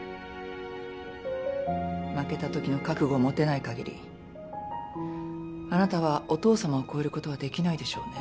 負けたときの覚悟を持てない限りあなたはお父様を越えることはできないでしょうね。